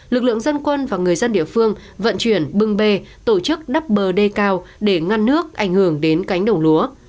lực lượng dân quân và người dân địa phương vận chuyển bưng bê tổ chức đắp bờ đê cao để ngăn nước ảnh hưởng đến cánh đồng lúa